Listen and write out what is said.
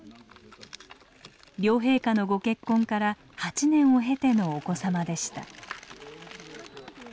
両陛下のご結婚から８年を経てのお子様でした。